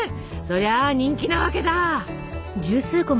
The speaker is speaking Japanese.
そりゃ人気なわけだ。